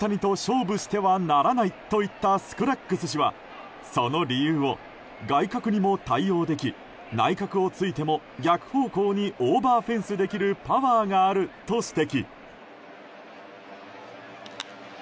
大谷と勝負してはならないと言ったスクラッグス氏はその理由を、外角にも対応でき内角を突いても逆方向にオーバーフェンスできるパワーがあると指摘。